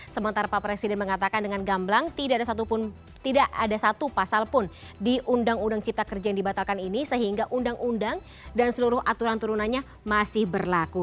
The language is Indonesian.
sementara pak presiden mengatakan dengan gamblang tidak ada satu pasal pun di undang undang cipta kerja yang dibatalkan ini sehingga undang undang dan seluruh aturan turunannya masih berlaku